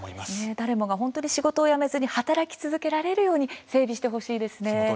誰もが、仕事を辞めずに働き続けられるように整備してほしいですよね。